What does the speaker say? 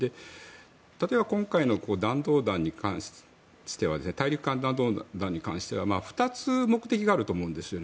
例えば、今回の大陸間弾道弾に関しては２つ目的があると思うんですよね。